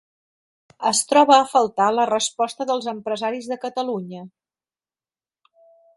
Es troba a faltar la resposta dels empresaris de Catalunya.